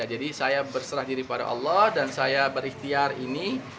jadi saya berserah diri pada allah dan saya berikhtiar ini